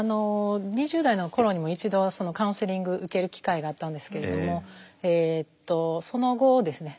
２０代の頃にも一度カウンセリング受ける機会があったんですけれどもその後ですね